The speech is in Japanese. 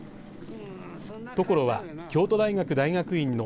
野老は京都大学大学院の